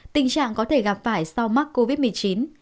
tình trạng có thể gặp phải sau mắc covid một mươi chín